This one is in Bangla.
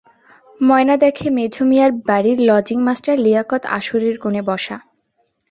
ময়না দেখে মেঝো মিয়ার বাড়ির লজিং মাস্টার লিয়াকত আসরের কোণে বসা।